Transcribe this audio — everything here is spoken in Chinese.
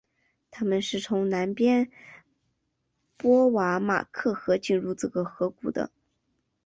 他们是从南边波托马克河进入这个河谷的。